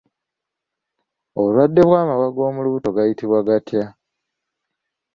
Obulwadde bw'amabwa g'omu lubuto gayitibwa gatya?